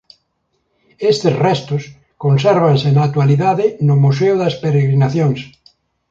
Estes restos consérvanse na actualidade no museo das peregrinacións.